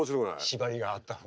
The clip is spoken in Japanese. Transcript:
縛りがあった方が。